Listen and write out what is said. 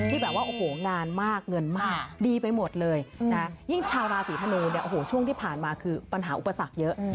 แบบว่าโอ้โหงานมากเงินมากดีไปหมดเลยนะยิ่งชาวราศีธนูเนี่ยโอ้โหช่วงที่ผ่านมาคือปัญหาอุปสรรคเยอะ